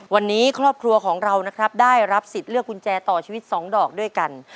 วันนี้ครอบครัวของเรานะครับได้รับสิทธิ์เลือกกุญแจต่อชีวิต๒ดอกด้วยกัน